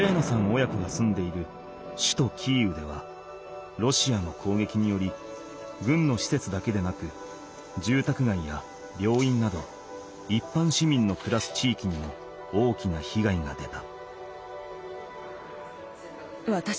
親子が住んでいる首都キーウではロシアの攻撃により軍の施設だけでなくじゅうたくがいや病院などいっぱん市民の暮らす地域にも大きなひがいが出た。